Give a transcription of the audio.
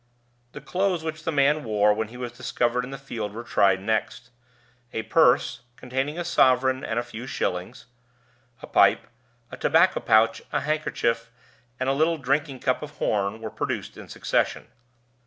The clothes which the man wore when he was discovered in the field were tried next. A purse (containing a sovereign and a few shillings), a pipe, a tobacco pouch, a handkerchief, and a little drinking cup of horn were produced in succession.